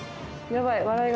やばい！